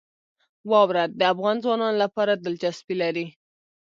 واوره د افغان ځوانانو لپاره دلچسپي لري.